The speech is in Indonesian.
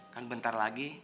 kan bentar lagi